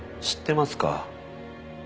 知ってますか？